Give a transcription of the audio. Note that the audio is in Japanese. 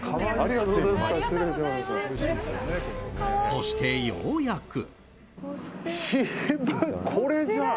そしてようやく。